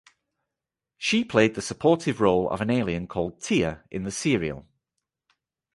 She played the supportive role of an alien called "Tia" in the serial.